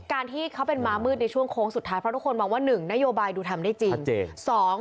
การที่เขาเป็นม้ามืดในช่วงโค้งสุดท้ายเพราะทุกคนมองว่า๑นโยบายดูทำได้จริง